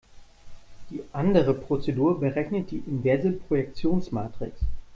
Die andere Prozedur berechnet die inverse Projektionsmatrix.